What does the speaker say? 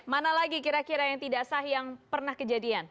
mana lagi kira kira yang tidak sah yang pernah kejadian